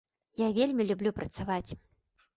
Я вельмі люблю працаваць.